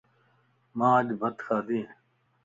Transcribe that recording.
مان اڃ بت کادينيَ